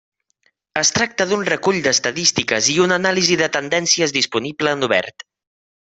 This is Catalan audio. Es tracta d’un recull d’estadístiques i una anàlisi de tendències disponible en obert.